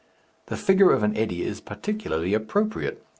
The figure of an eddy is particularly appropriate.